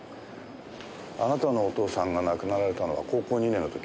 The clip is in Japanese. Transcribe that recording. あなたのお父さんが亡くなられたのは高校２年の時。